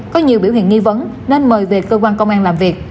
có nhiều biểu hiện nghi vấn nên mời về cơ quan công an làm việc